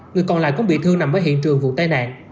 người còn lại cũng bị thương nằm ở hiện trường vụ tai nạn